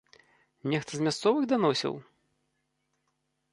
Нехта з мясцовых даносіў?